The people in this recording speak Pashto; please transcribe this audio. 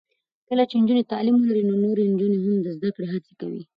کله چې نجونې تعلیم ولري، نو نورې نجونې هم د زده کړې هڅې کوي.